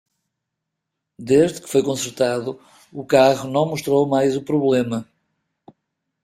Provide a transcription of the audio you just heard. Desde que foi consertado, o carro não mostrou mais o problema.